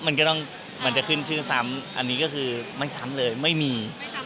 มันก็ต้องมันจะขึ้นชื่อซ้ำอันนี้ก็คือไม่ซ้ำเลยไม่มี